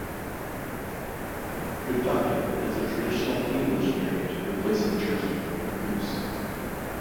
Gooducken is a traditional English variant, replacing turkey with goose.